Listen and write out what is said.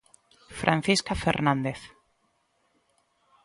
Francisca Fernández.